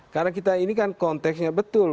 karena kita ini kan konteksnya betul